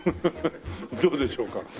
どうでしょうか。